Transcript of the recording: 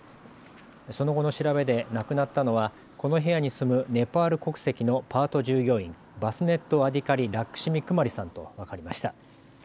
その後の調べで亡くなったのはこの部屋に住むネパール国籍のパート従業員、バスネット・アディカリ・ラックシミ・クマリさんと分かりました。